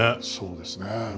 そうですね。